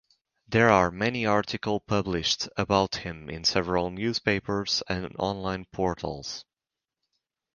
There are many article published about him in several newspapers and online portals.